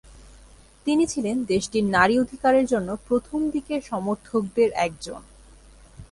তিনি ছিলেন দেশটির নারী অধিকারের জন্য প্রথম দিকের সমর্থকদের একজন।